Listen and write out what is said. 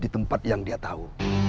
di tempat yang dia tahu